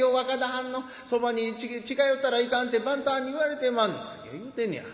はんのそばに近寄ったらいかんって番頭はんに言われてまんねん」。